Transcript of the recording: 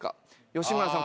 吉村さん